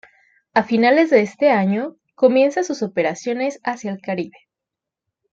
A finales de este año, comienza sus operaciones hacia el Caribe.